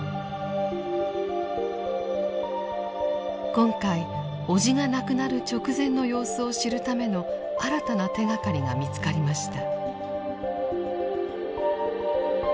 今回叔父が亡くなる直前の様子を知るための新たな手がかりが見つかりました。